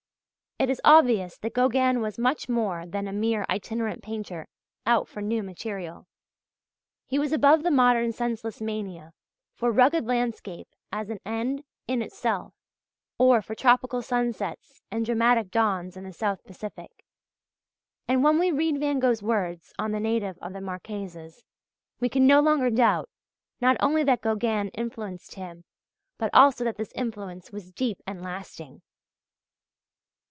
It is obvious that Gauguin was much more than a mere itinerant painter out for "new material." He was above the modern senseless mania for rugged landscape as an end in itself, or for "tropical sunsets" and "dramatic dawns," in the South Pacific. And when we read Van Gogh's words on the natives of the Marquesas (page 42) we can no longer doubt, not only that Gauguin influenced him, but also that this influence was deep and lasting.